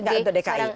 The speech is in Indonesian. enggak untuk dki